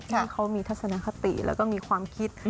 ให้เขามีทัศนคติและมีความคิด